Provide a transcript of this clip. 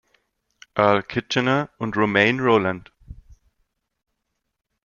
Earl Kitchener, und Romain Rolland.